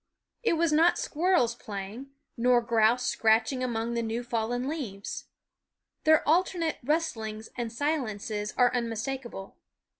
It was not squirrels playing, nor grouse scratch ing among the new fallen leaves. Their alternate rustlings and silences are unmis takable.